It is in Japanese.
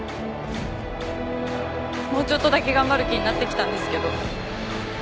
もうちょっとだけ頑張る気になってきたんですけど。